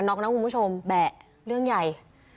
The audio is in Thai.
ไม่หมวกกันนอกนะคุณผู้ชมแบะเรื่องใหญ่